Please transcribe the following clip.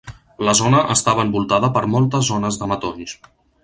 La zona estava envoltada per moltes zones de matolls.